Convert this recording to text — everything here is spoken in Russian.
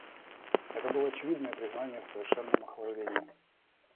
Это было очевидное признание в совершенном охлаждении.